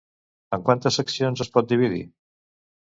En quantes seccions es pot dividir?